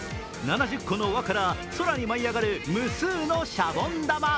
７０個の輪から空に舞い上がる無数のシャボン玉。